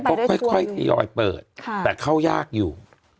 ก็ค่อยทยอยเปิดแต่เข้ายากอยู่